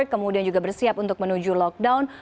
kemudian juga bersiap untuk menuju lockdown